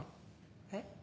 えっ？